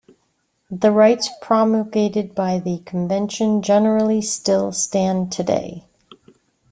The rights promulgated by the Convention generally still stand today.